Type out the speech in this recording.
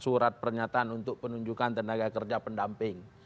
surat pernyataan untuk penunjukan tenaga kerja pendamping